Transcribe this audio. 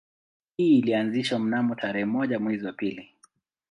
Hii ilianzishwa mnamo tarehe moja mwezi wa pili